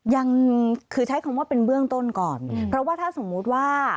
ยังคือใช้คำว่าเป็นเบื้องต้นก่อนเพราะว่าถ้าสมมุติว่า